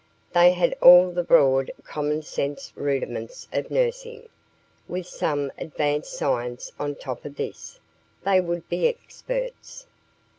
They had all the broad commonsense rudiments of nursing. With some advanced science on top of this, they would be experts.